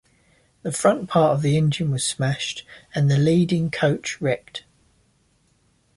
The front part of the engine was smashed and the leading coach wrecked.